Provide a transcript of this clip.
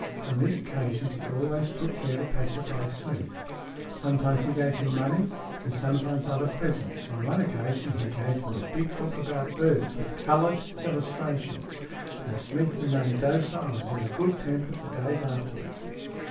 On these occasions he always took care to pacify Smeath. Sometimes he gave him money, and sometimes other presents ; on one occasion he gave him a big book about birds, with coloured illustrations, and Smeath remained docile and in a good temper for days afterwards.